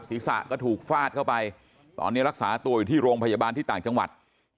ศีรษะก็ถูกฟาดเข้าไปตอนนี้รักษาตัวอยู่ที่โรงพยาบาลที่ต่างจังหวัด